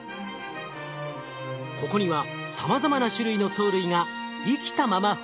ここにはさまざまな種類の藻類が生きたまま保存されています。